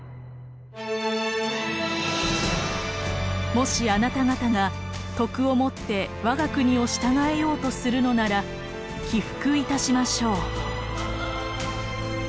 「もしあなた方が徳をもって我が国を従えようとするのなら帰服いたしましょう」。